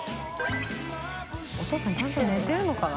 お父さんちゃんと寝てるのかな？